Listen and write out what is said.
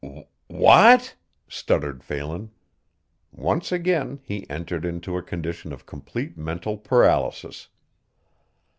"W w w what?" stuttered Phelan. Once again he entered into a condition of complete mental paralysis.